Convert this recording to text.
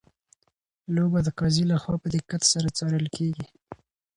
لوبه د قاضي لخوا په دقت سره څارل کیږي.